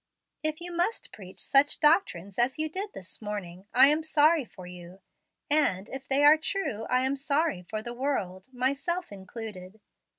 "If you must preach such doctrines as you did this morning, I am sorry for you; and, if they are true, I am sorry for the world, myself included.